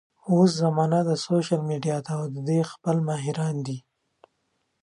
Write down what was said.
اوس زمانه د سوشل ميډيا ده او د دې خپل ماهران دي